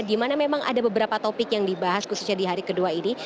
di mana memang ada beberapa topik yang dibahas khususnya di hari kedua ini